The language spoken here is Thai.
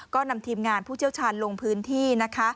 ก็นำทีมงานผู้เจ้าชาญลงพื้นที่